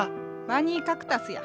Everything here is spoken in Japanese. バニーカクタスや。